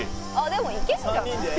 でもいけるんじゃない？